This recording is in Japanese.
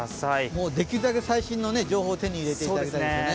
もうできるだけ最新の情報を手に入れていただきたいですね。